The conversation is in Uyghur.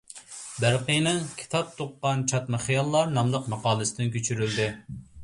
بەرقىينىڭ «كىتاب تۇغقان چاتما خىياللار» ناملىق ماقالىسىدىن كۆچۈرۈلدى.